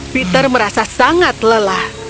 peter merasa sangat lelah